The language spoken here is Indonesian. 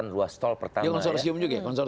delapan ruas tol pertama ya konsorsium juga ya